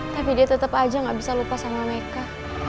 tapi dia tetap aja gak bisa lupa sama mereka